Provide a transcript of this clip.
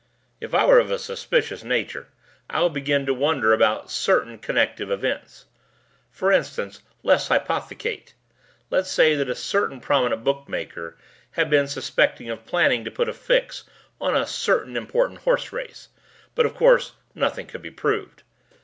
"If I were of a suspicious nature, I would begin to wonder about certain connective events. For instance, let's hypothecate. Let's say that a certain prominent bookmaker had been suspected of planning to put a fix on a certain important horse race, but of course nothing could be proved.